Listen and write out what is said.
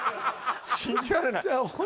信じられない